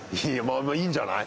いいんじゃない？